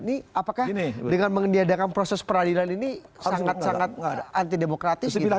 ini apakah dengan meniadakan proses peradilan ini sangat sangat antidemokratis